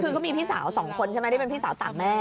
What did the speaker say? คือก็มีพี่สาวสองคนใช่ไหมที่เป็นพี่สาวต่างแม่